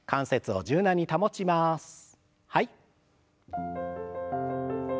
はい。